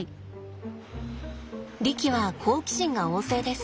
リキは好奇心が旺盛です。